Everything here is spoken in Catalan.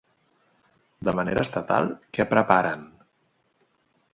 De manera estatal, què preparen?